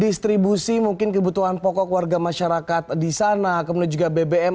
distribusi mungkin kebutuhan pokok warga masyarakat di sana kemudian juga bbm